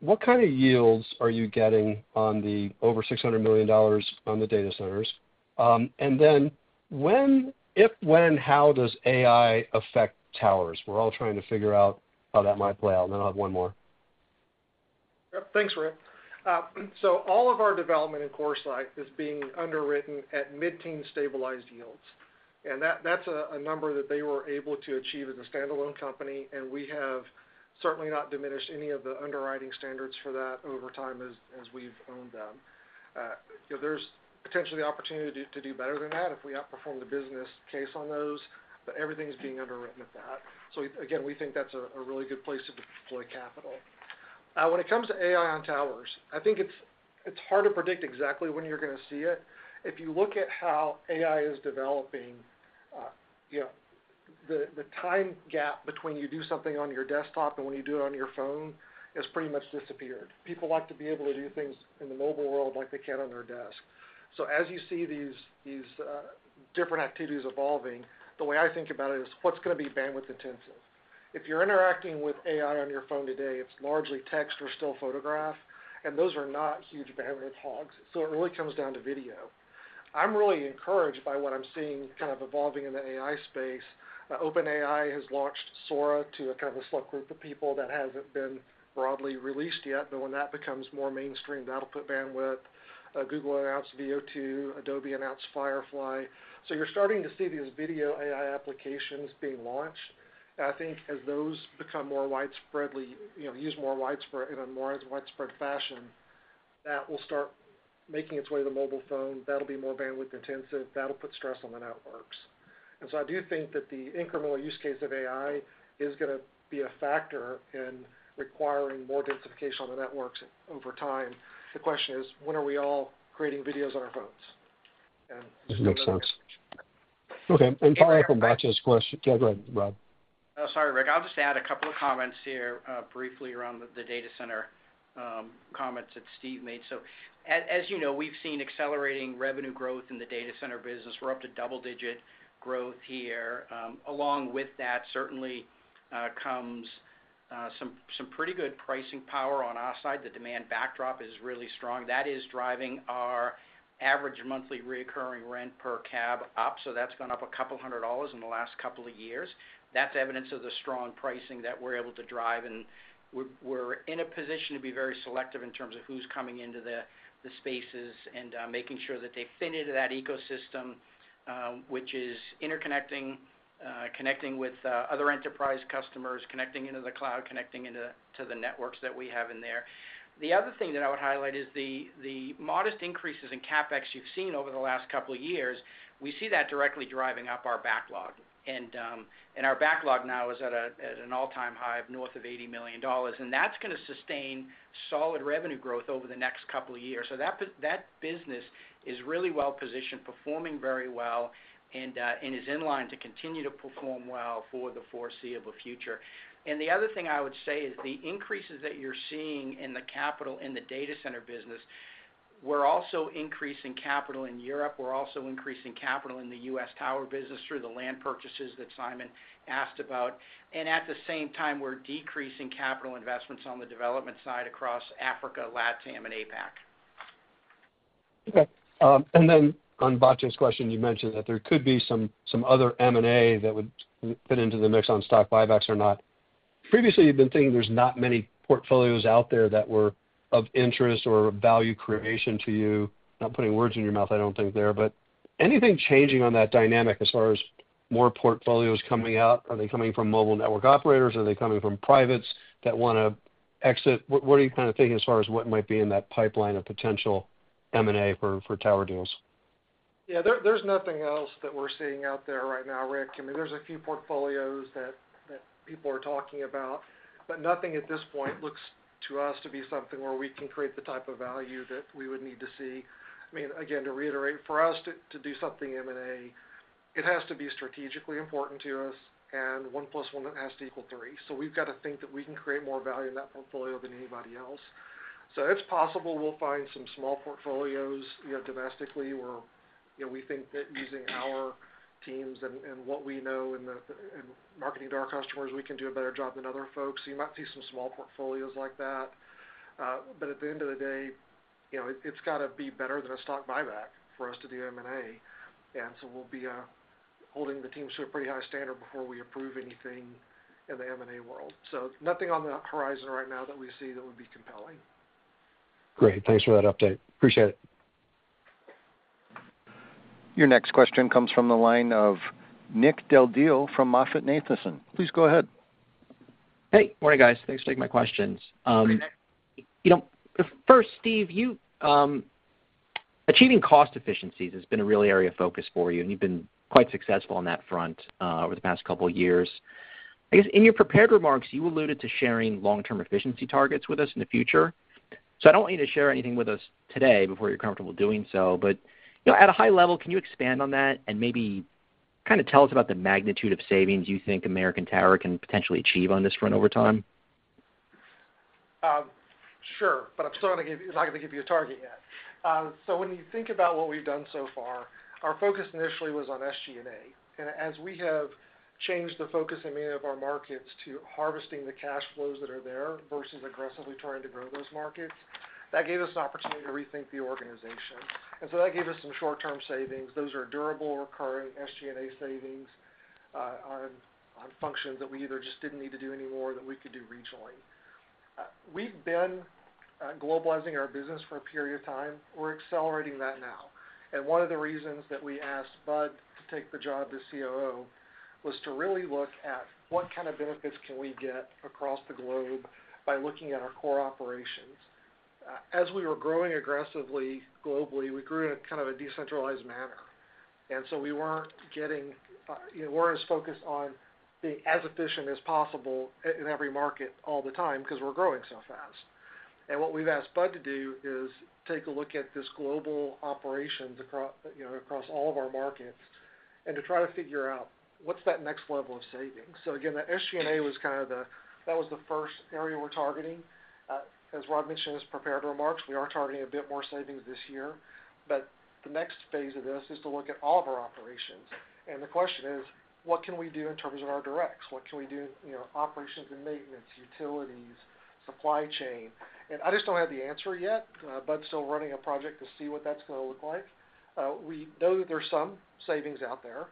what kind of yields are you getting on the over $600 million on the data centers? And then if, when, how does AI affect towers? We're all trying to figure out how that might play out. And then I'll have one more. Yep. Thanks, Ric. So all of our development in CoreSite is being underwritten at mid-teens stabilized yields. And that's a number that they were able to achieve as a standalone company. And we have certainly not diminished any of the underwriting standards for that over time as we've owned them. There's potentially the opportunity to do better than that if we outperform the business case on those. But everything's being underwritten at that. So again, we think that's a really good place to deploy capital. When it comes to AI on towers, I think it's hard to predict exactly when you're going to see it. If you look at how AI is developing, the time gap between you do something on your desktop and when you do it on your phone has pretty much disappeared. People like to be able to do things in the mobile world like they can on their desk. So as you see these different activities evolving, the way I think about it is what's going to be bandwidth intensive. If you're interacting with AI on your phone today, it's largely text or still photograph. And those are not huge bandwidth hogs. It really comes down to video. I'm really encouraged by what I'm seeing kind of evolving in the AI space. OpenAI has launched Sora to kind of a select group of people that hasn't been broadly released yet. When that becomes more mainstream, that'll put bandwidth. Google announced Veo. Adobe announced Firefly. You're starting to see these video AI applications being launched. I think as those become more widespread, used in a more widespread fashion, that will start making its way to the mobile phone. That'll be more bandwidth intensive. That'll put stress on the networks. I do think that the incremental use case of AI is going to be a factor in requiring more densification on the networks over time. The question is, when are we all creating videos on our phones. Just making sure. Makes sense. Okay. Following from Batya's question, yeah, go ahead, Rod. Sorry, Ric. I'll just add a couple of comments here briefly around the data center comments that Steve made. So as you know, we've seen accelerating revenue growth in the data center business. We're up to double-digit growth here. Along with that, certainly comes some pretty good pricing power on our side. The demand backdrop is really strong. That is driving our average monthly recurring rent per cab up. So that's gone up $200 in the last couple of years. That's evidence of the strong pricing that we're able to drive. And we're in a position to be very selective in terms of who's coming into the spaces and making sure that they fit into that ecosystem, which is interconnecting, connecting with other enterprise customers, connecting into the cloud, connecting into the networks that we have in there. The other thing that I would highlight is the modest increases in CapEx you've seen over the last couple of years. We see that directly driving up our backlog, and our backlog now is at an all-time high of north of $80 million, and that's going to sustain solid revenue growth over the next couple of years, so that business is really well-positioned, performing very well, and is in line to continue to perform well for the foreseeable future, and the other thing I would say is the increases that you're seeing in the capital in the data center business. We're also increasing capital in Europe. We're also increasing capital in the U.S. tower business through the land purchases that Simon asked about, and at the same time, we're decreasing capital investments on the development side across Africa, LATAM, and APAC. Okay. And then on Batya's question, you mentioned that there could be some other M&A that would fit into the mix on stock buybacks or not. Previously, you've been saying there's not many portfolios out there that were of interest or value creation to you. Not putting words in your mouth, I don't think there. But anything changing on that dynamic as far as more portfolios coming out? Are they coming from mobile network operators? Are they coming from privates that want to exit? What are you kind of thinking as far as what might be in that pipeline of potential M&A for tower deals? Yeah. There's nothing else that we're seeing out there right now, Ric. I mean, there's a few portfolios that people are talking about, but nothing at this point looks to us to be something where we can create the type of value that we would need to see. I mean, again, to reiterate, for us to do something M&A, it has to be strategically important to us, and one plus one has to equal three. So we've got to think that we can create more value in that portfolio than anybody else. So it's possible we'll find some small portfolios domestically where we think that using our teams and what we know and marketing to our customers, we can do a better job than other folks. You might see some small portfolios like that. But at the end of the day, it's got to be better than a stock buyback for us to do M&A. We'll be holding the team to a pretty high standard before we approve anything in the M&A world. So nothing on the horizon right now that we see that would be compelling. Great. Thanks for that update. Appreciate it. Your next question comes from the line of Nick Del Deo from MoffettNathanson. Please go ahead. Hey. Morning, guys. Thanks for taking my questions. First, Steve, achieving cost efficiencies has been a real area of focus for you, and you've been quite successful on that front over the past couple of years. I guess in your prepared remarks, you alluded to sharing long-term efficiency targets with us in the future. So I don't want you to share anything with us today before you're comfortable doing so. But at a high level, can you expand on that and maybe kind of tell us about the magnitude of savings you think American Tower can potentially achieve on this front over time? Sure. But I'm still not going to give you a target yet. So when you think about what we've done so far, our focus initially was on SG&A. And as we have changed the focus in many of our markets to harvesting the cash flows that are there versus aggressively trying to grow those markets, that gave us an opportunity to rethink the organization. And so that gave us some short-term savings. Those are durable, recurring SG&A savings on functions that we either just didn't need to do anymore that we could do regionally. We've been globalizing our business for a period of time. We're accelerating that now. One of the reasons that we asked Bud to take the job as COO was to really look at what kind of benefits can we get across the globe by looking at our core operations. As we were growing aggressively globally, we grew in a kind of a decentralized manner. So we weren't getting. We're as focused on being as efficient as possible in every market all the time because we're growing so fast. What we've asked Bud to do is take a look at this global operations across all of our markets and to try to figure out what's that next level of savings. Again, that SG&A was kind of the first area we're targeting. As Rod mentioned in his prepared remarks, we are targeting a bit more savings this year. But the next phase of this is to look at all of our operations. And the question is, what can we do in terms of our directs? What can we do in operations and maintenance, utilities, supply chain? And I just don't have the answer yet. Bud's still running a project to see what that's going to look like. We know that there's some savings out there.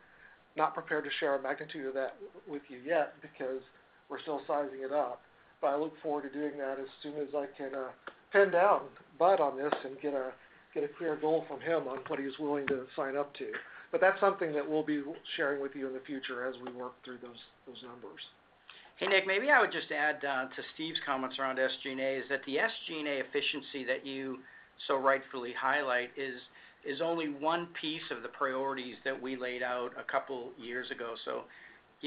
Not prepared to share a magnitude of that with you yet because we're still sizing it up. But I look forward to doing that as soon as I can pin down Bud on this and get a clear goal from him on what he's willing to sign up to. But that's something that we'll be sharing with you in the future as we work through those numbers. Hey, Nick, maybe I would just add to Steve's comments around SG&A is that the SG&A efficiency that you so rightfully highlight is only one piece of the priorities that we laid out a couple of years ago.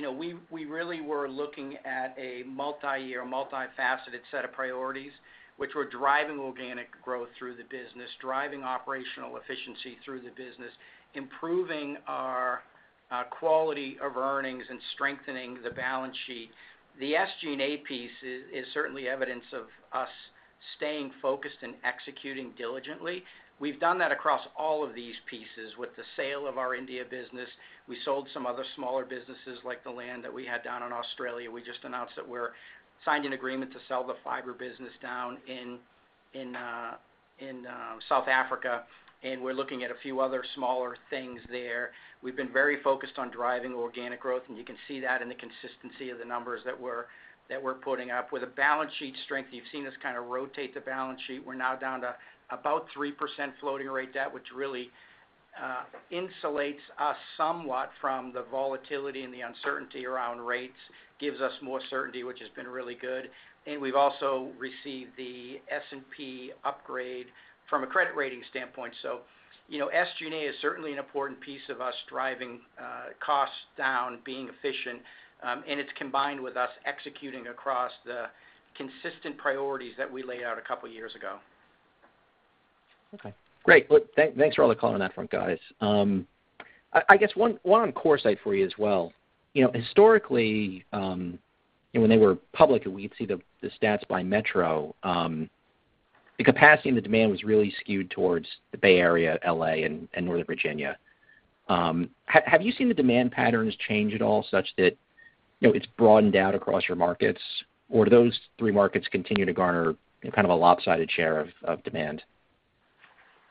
So we really were looking at a multi-year, multifaceted set of priorities, which were driving organic growth through the business, driving operational efficiency through the business, improving our quality of earnings, and strengthening the balance sheet. The SG&A piece is certainly evidence of us staying focused and executing diligently. We've done that across all of these pieces with the sale of our India business. We sold some other smaller businesses like the land that we had down in Australia. We just announced that we're signing an agreement to sell the fiber business down in South Africa. We're looking at a few other smaller things there. We've been very focused on driving organic growth, and you can see that in the consistency of the numbers that we're putting up. With a balance sheet strength, you've seen us kind of rotate the balance sheet. We're now down to about 3% floating rate debt, which really insulates us somewhat from the volatility and the uncertainty around rates, gives us more certainty, which has been really good, and we've also received the S&P upgrade from a credit rating standpoint, so SG&A is certainly an important piece of us driving costs down, being efficient, and it's combined with us executing across the consistent priorities that we laid out a couple of years ago. Okay. Great. Thanks for all the color on that front, guys. I guess one on CoreSite for you as well. Historically, when they were public, we'd see the stats by metro. The capacity and the demand was really skewed towards the Bay Area, LA, and Northern Virginia. Have you seen the demand patterns change at all such that it's broadened out across your markets? Or do those three markets continue to garner kind of a lopsided share of demand?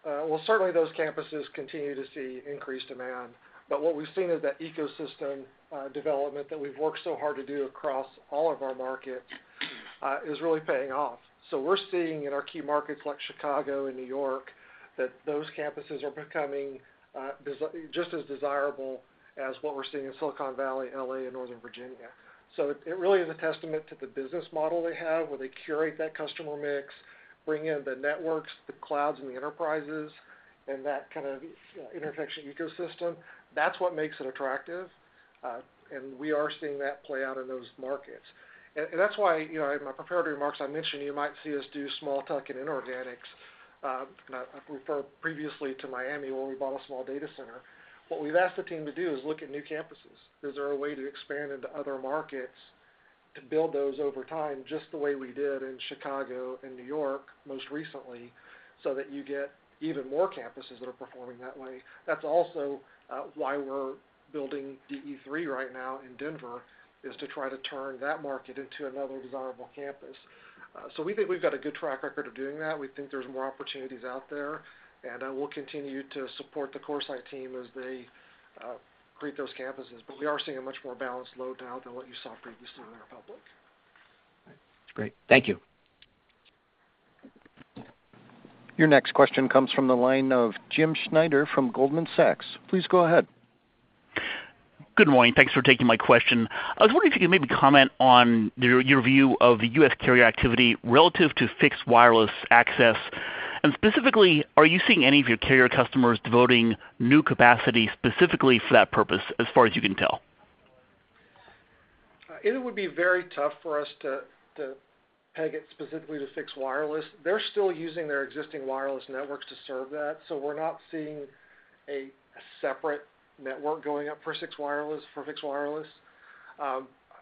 Well, certainly those campuses continue to see increased demand. But what we've seen is that ecosystem development that we've worked so hard to do across all of our markets is really paying off. So we're seeing in our key markets like Chicago and New York that those campuses are becoming just as desirable as what we're seeing in Silicon Valley, LA, and Northern Virginia. So it really is a testament to the business model they have where they curate that customer mix, bring in the networks, the clouds, and the enterprises, and that kind of interconnection ecosystem. That's what makes it attractive. And we are seeing that play out in those markets. And that's why in my prepared remarks, I mentioned you might see us do small tuck-in inorganics. I referred previously to Miami where we bought a small data center. What we've asked the team to do is look at new campuses. Is there a way to expand into other markets to build those over time just the way we did in Chicago and New York most recently so that you get even more campuses that are performing that way? That's also why we're building DE3 right now in Denver, is to try to turn that market into another desirable campus. So we think we've got a good track record of doing that. We think there's more opportunities out there. And we'll continue to support the CoreSite team as they create those campuses. But we are seeing a much more balanced load now than what you saw previously when they were public. Great. Thank you. Your next question comes from the line of Jim Schneider from Goldman Sachs. Please go ahead. Good morning. Thanks for taking my question. I was wondering if you could maybe comment on your view of the U.S. carrier activity relative to fixed wireless access. And specifically, are you seeing any of your carrier customers devoting new capacity specifically for that purpose as far as you can tell? It would be very tough for us to peg it specifically to fixed wireless. They're still using their existing wireless networks to serve that. So we're not seeing a separate network going up for fixed wireless.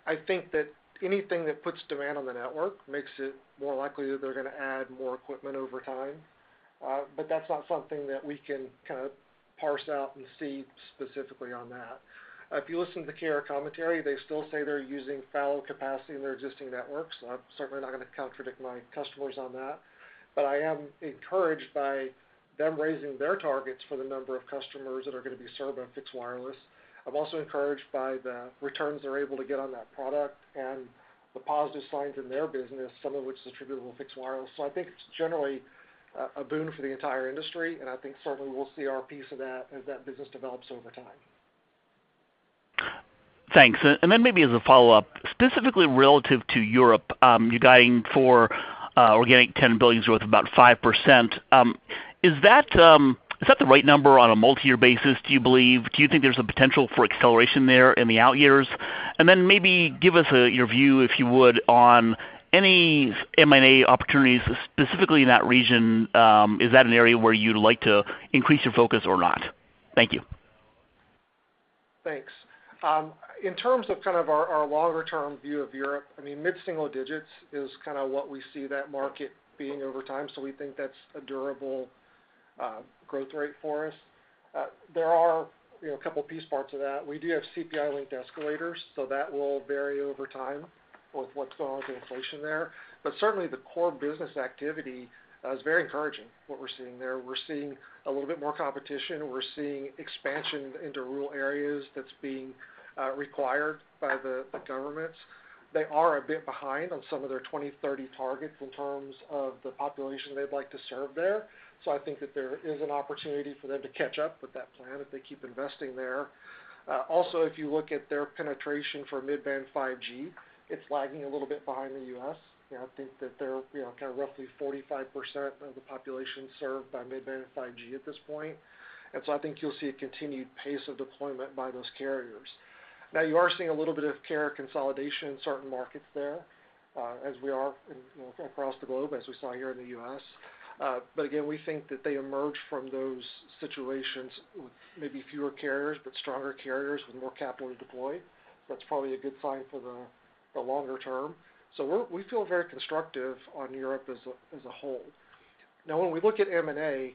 I think that anything that puts demand on the network makes it more likely that they're going to add more equipment over time. But that's not something that we can kind of parse out and see specifically on that. If you listen to the carrier commentary, they still say they're using fallow capacity in their existing networks. I'm certainly not going to contradict my customers on that. But I am encouraged by them raising their targets for the number of customers that are going to be served by fixed wireless. I'm also encouraged by the returns they're able to get on that product and the positive signs in their business, some of which is attributable to fixed wireless. So I think it's generally a boon for the entire industry. And I think certainly we'll see our piece of that as that business develops over time. Thanks. And then maybe as a follow-up, specifically relative to Europe, you're guiding for organic tenant billings growth of about 5%. Is that the right number on a multi-year basis, do you believe? Do you think there's a potential for acceleration there in the out years? And then maybe give us your view, if you would, on any M&A opportunities specifically in that region. Is that an area where you'd like to increase your focus or not? Thank you. Thanks. In terms of kind of our longer-term view of Europe, I mean, mid-single digits is kind of what we see that market being over time. So we think that's a durable growth rate for us. There are a couple of piece parts of that. We do have CPI-linked escalators, so that will vary over time with what's going on with inflation there. But certainly, the core business activity is very encouraging what we're seeing there. We're seeing a little bit more competition. We're seeing expansion into rural areas that's being required by the governments. They are a bit behind on some of their 2030 targets in terms of the population they'd like to serve there. So I think that there is an opportunity for them to catch up with that plan if they keep investing there. Also, if you look at their penetration for mid-band 5G, it's lagging a little bit behind the U.S. I think that they're kind of roughly 45% of the population served by mid-band 5G at this point. And so I think you'll see a continued pace of deployment by those carriers. Now, you are seeing a little bit of carrier consolidation in certain markets there as we are across the globe, as we saw here in the U.S. But again, we think that they emerge from those situations with maybe fewer carriers, but stronger carriers with more capital to deploy. That's probably a good sign for the longer term. So we feel very constructive on Europe as a whole. Now, when we look at M&A,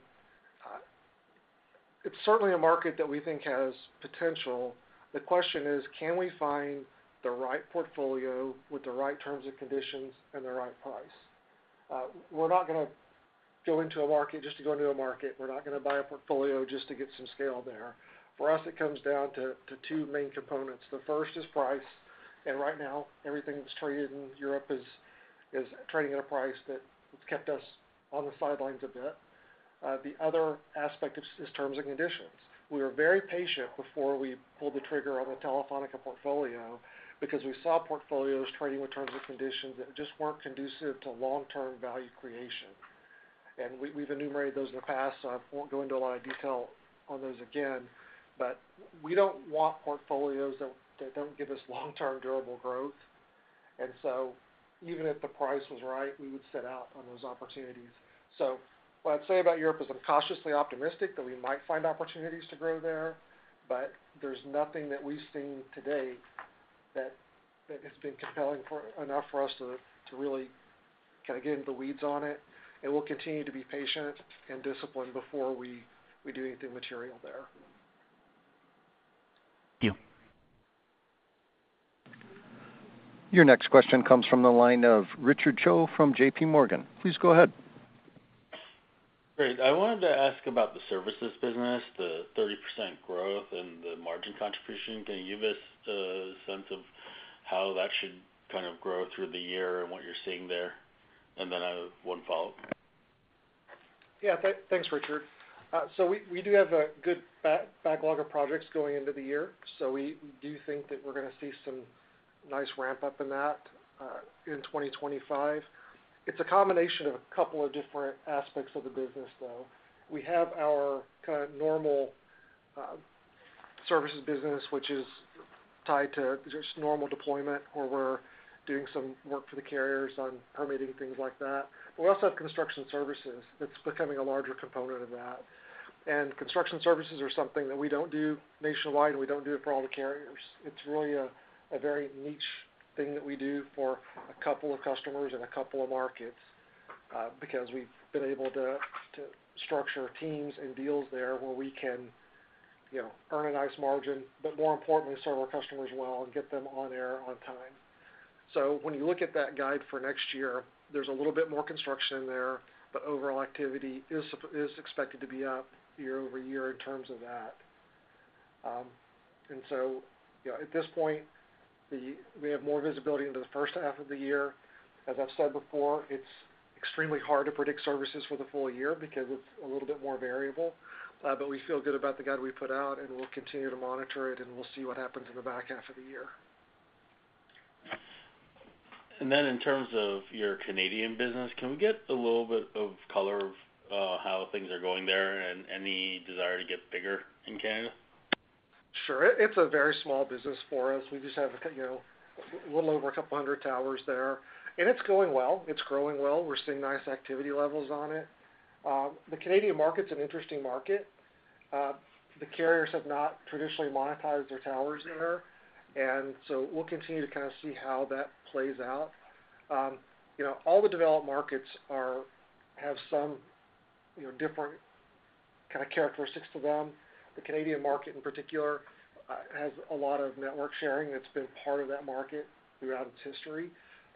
it's certainly a market that we think has potential. The question is, can we find the right portfolio with the right terms and conditions and the right price? We're not going to go into a market just to go into a market. We're not going to buy a portfolio just to get some scale there. For us, it comes down to two main components. The first is price. And right now, everything that's traded in Europe is trading at a price that has kept us on the sidelines a bit. The other aspect is terms and conditions. We were very patient before we pulled the trigger on the Telefónica portfolio because we saw portfolios trading with terms and conditions that just weren't conducive to long-term value creation. And we've enumerated those in the past. I won't go into a lot of detail on those again. But we don't want portfolios that don't give us long-term durable growth. And so even if the price was right, we would sit out on those opportunities. So what I'd say about Europe is I'm cautiously optimistic that we might find opportunities to grow there. But there's nothing that we've seen today that has been compelling enough for us to really kind of get into the weeds on it. And we'll continue to be patient and disciplined before we do anything material there. Thank you. Your next question comes from the line of Richard Choe from JPMorgan. Please go ahead. Great. I wanted to ask about the services business, the 30% growth, and the margin contribution. Can you give us a sense of how that should kind of grow through the year and what you're seeing there? And then I have one follow-up. Yeah. Thanks, Richard. So we do have a good backlog of projects going into the year. So we do think that we're going to see some nice ramp-up in that in 2025. It's a combination of a couple of different aspects of the business, though. We have our kind of normal services business, which is tied to just normal deployment where we're doing some work for the carriers on permitting things like that. But we also have construction services that's becoming a larger component of that. And construction services are something that we don't do nationwide, and we don't do it for all the carriers. It's really a very niche thing that we do for a couple of customers and a couple of markets because we've been able to structure teams and deals there where we can earn a nice margin, but more importantly, serve our customers well and get them on air on time, so when you look at that guide for next year, there's a little bit more construction in there, but overall activity is expected to be up year over year in terms of that, and so at this point, we have more visibility into the first half of the year. As I've said before, it's extremely hard to predict services for the full year because it's a little bit more variable, but we feel good about the guide we put out, and we'll continue to monitor it, and we'll see what happens in the back half of the year. And then in terms of your Canadian business, can we get a little bit of color of how things are going there and any desire to get bigger in Canada? Sure. It's a very small business for us. We just have a little over a couple hundred towers there. And it's going well. It's growing well. We're seeing nice activity levels on it. The Canadian market's an interesting market. The carriers have not traditionally monetized their towers there. And so we'll continue to kind of see how that plays out. All the developed markets have some different kind of characteristics to them. The Canadian market, in particular, has a lot of network sharing that's been part of that market throughout its history.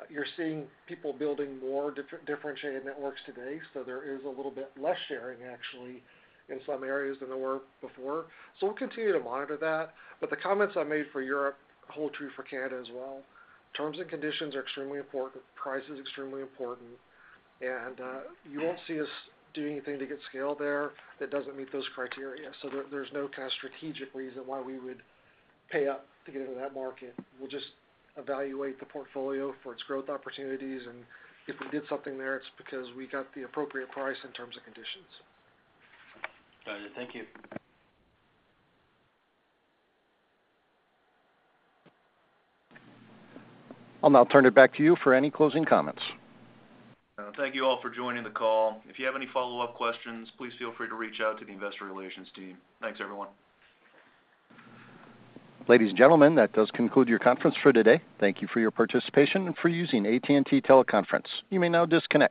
You're seeing people building more differentiated networks today. So there is a little bit less sharing, actually, in some areas than there were before. So we'll continue to monitor that. But the comments I made for Europe hold true for Canada as well. Terms and conditions are extremely important. Price is extremely important. And you won't see us doing anything to get scale there that doesn't meet those criteria. So there's no kind of strategic reason why we would pay up to get into that market. We'll just evaluate the portfolio for its growth opportunities. And if we did something there, it's because we got the appropriate price in terms of conditions. Got it. Thank you. I'll now turn it back to you for any closing comments. Thank you all for joining the call. If you have any follow-up questions, please feel free to reach out to the investor relations team. Thanks, everyone. Ladies and gentlemen, that does conclude your conference for today. Thank you for your participation and for using AT&T Teleconference. You may now disconnect.